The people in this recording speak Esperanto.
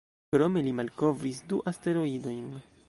Krome li malkovris du asteroidojn.